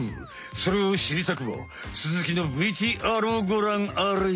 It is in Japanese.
それをしりたくばつづきのＶＴＲをごらんあれ。